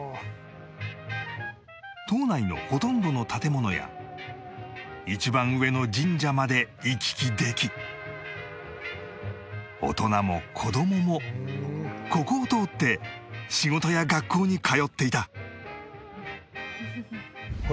島内のほとんどの建物や一番上の神社まで行き来でき大人も子供もここを通って仕事や学校に通っていた